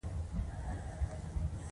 د ریګ دښتې د افغانستان د ملي هویت نښه ده.